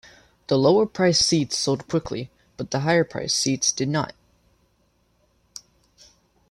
The lower-priced seats sold quickly, but the higher-priced seats did not.